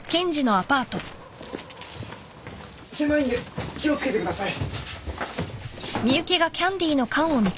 狭いんで気を付けてください。